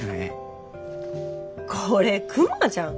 これクマじゃん。